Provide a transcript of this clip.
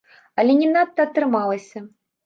Але не надта атрымалася.